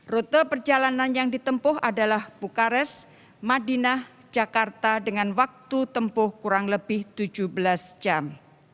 rute perjalanan yang ditempuh adalah bukares madinah jakarta dengan waktu tempuh kurang lebih tujuh belas jam